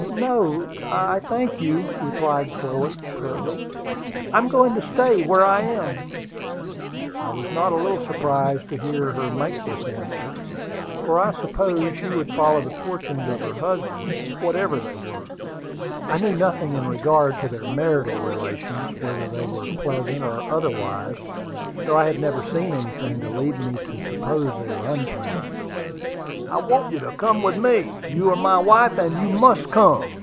"No, I thank you!" replied Chloe, pertly. "I'm going to stay where I am." I was not a little surprised to hear her make this answer, for I supposed she would follow the fortunes of her husband, whatever they were. I knew nothing in regard to their marital relations, whether they were pleasant or otherwise, though I had never seen anything to lead me to suppose they were unpleasant. "I want you to come with me; you are my wife and you must come!"